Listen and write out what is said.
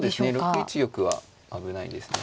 ６一玉は危ないですね。